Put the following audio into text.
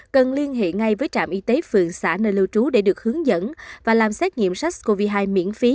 cần liên hệ ngay với trạm y tế phường xã nơi lưu trú để được hướng dẫn và làm xét nghiệm sars cov hai miễn phí